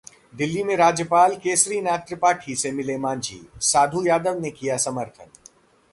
दिल्ली में राज्यपाल केसरीनाथ त्रिपाठी से मिले मांझी, साधु यादव ने किया समर्थन